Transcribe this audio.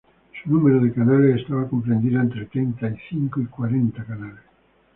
Su número de canales estaba comprendido entre treinta y cinco y cuarenta canales.